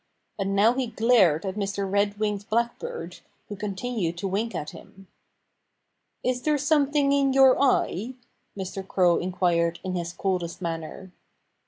And now he glared at Mr. Red winged Blackbird, who continued to wink at him. "Is there something in your eye?" Mr. Crow inquired in his coldest manner. Mr.